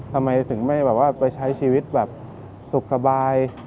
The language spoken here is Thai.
ทำไมถึงไม่ใช้ชีวิตสุขสบาย